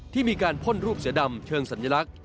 ที่มีการพ่นรูปเสือดำเชิงสัญลักษณ